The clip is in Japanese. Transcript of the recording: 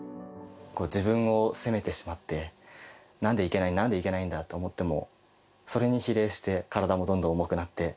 自分を責めてしまって、なんで行けない、なんで行けないんだと思っていても、それに比例して、体もどんどん重くなって。